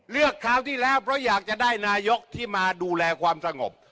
คราวที่แล้วเพราะอยากจะได้นายกที่มาดูแลความสงบ